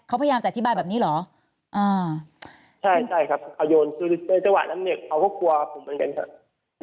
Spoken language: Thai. เขาพยายามจะอธิบายแบบนี้เหรออ่าใช่ใช่ครับเขาโยนคือในจังหวะนั้นเนี่ยเขาก็กลัวผมเหมือนกันครับ